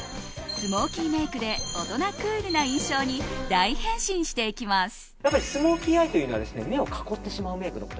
スモーキーメイクで大人クールな印象に大変身していきます。